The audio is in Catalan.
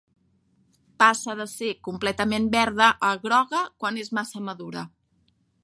Passa de ser completament verda a groga quan és massa madura.